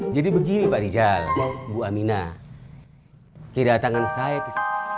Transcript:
jadi begini pak dijal bu aminah kedatangan saya